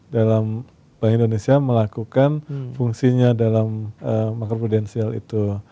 dalam bank indonesia melakukan fungsinya dalam makro prudensial itu